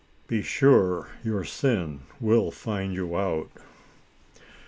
Be sure your sin will find you out."